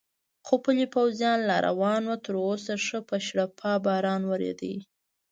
خو پلی پوځیان لا روان و، تراوسه ښه په شړپا باران ورېده.